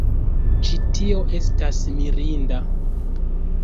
Ĉi tio estas mirinda